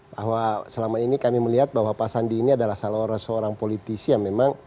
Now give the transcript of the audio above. bahwa selama ini kami melihat bahwa pak sandi ini adalah seorang politisi yang memang